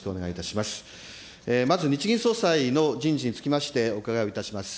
まず日銀総裁の人事につきましてお伺いをいたします。